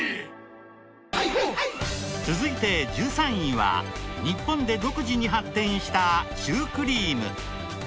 続いて１３位は日本で独自に発展したシュークリーム。